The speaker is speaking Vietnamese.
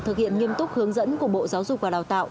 thực hiện nghiêm túc hướng dẫn của bộ giáo dục và đào tạo